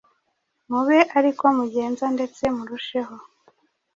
mube ari ko mugenda, ndetse murusheho.